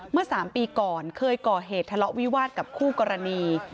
เมื่อ๓ปีก่อนเคยก่อเหตุทะเลาะวิวาสกับคู่กรณี